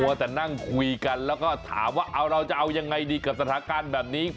แต่นั่งคุยกันแล้วก็ถามว่าเอาเราจะเอายังไงดีกับสถานการณ์แบบนี้